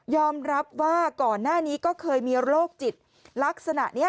รับว่าก่อนหน้านี้ก็เคยมีโรคจิตลักษณะนี้